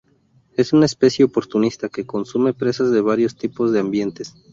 Es una especie oportunista que consume presas de varios tipos de ambientes.